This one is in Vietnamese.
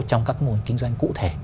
trong các mô hình kinh doanh cụ thể